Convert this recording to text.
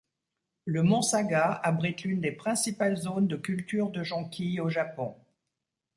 Le mont Saga abrite l'une des principales zones de culture de jonquilles au Japon.